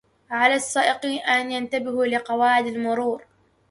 على السائقين أن ينتبهوا لقواعد المرور.